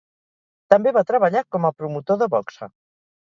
També va treballar com a promotor de boxa.